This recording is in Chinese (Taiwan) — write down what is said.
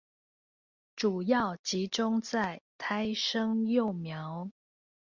主要集中在胎生幼苗